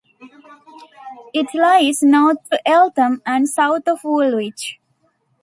It lies north of Eltham and south of Woolwich.